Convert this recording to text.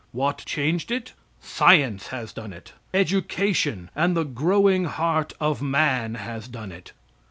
What changed it? Science has done it; education and the growing heart of man has done it.